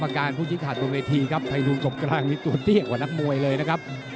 การผู้ชี้ขาดบนเวทีครับไทยดูสมกลางนี่ตัวเตี้ยกว่านักมวยเลยนะครับ